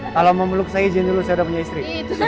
kalo mau beluk saya jangan dulu saya udah punya istri